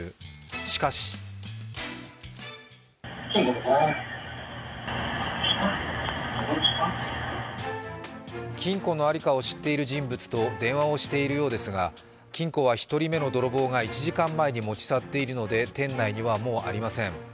しかし金庫の在りかを知っている人物と電話をしているようですが、金庫は１人目の泥棒が１時間前に持ち去っているので店内にはもうありません。